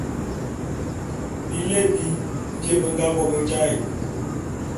Bilé bi mbie be nga bo be jaé'.